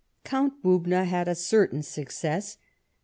Count Bubna had a certain success.